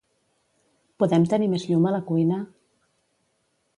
Podem tenir més llum a la cuina?